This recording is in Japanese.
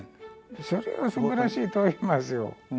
それはすばらしいと思いますよ。